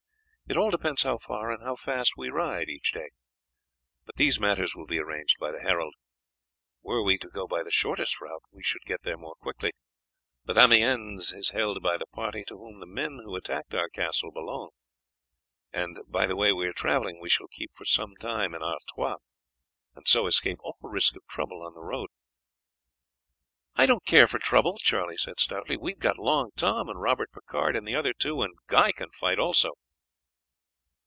It all depends how far and how fast we ride each day. But these matters will be arranged by the herald. Were we to go by the shortest route we should get there more quickly; but Amiens is held by the party to whom the men who attacked our castle belong, and by the way we are travelling we shall keep for some time in Artois, and so escape all risk of trouble on the road." "I don't care for trouble," Charlie said stoutly; "we have got Long Tom and Robert Picard and the other two, and Guy can fight also."